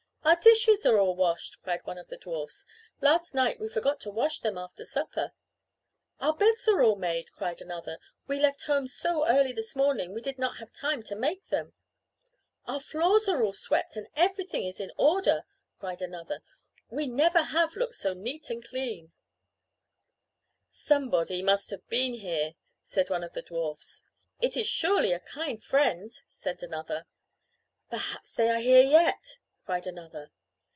"Our dishes are all washed!" cried one of the dwarfs. "Last night we forgot to wash them after supper!" "Our beds are all made!" cried another. "We left home so early this morning we did not have time to make them!" "Our floors are all swept and everything is in order!" cried another. "We never have looked so neat and clean!" [Illustration: "We never have looked so neat and clean"] "Somebody must have been here," said one of the dwarfs. "It is surely a kind friend," said another. "Perhaps they are here yet!" cried another.